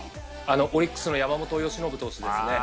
オリックスの山本由伸投手ですね。